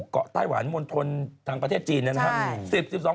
เกาะไต้หวันมนตรทางประเทศจีน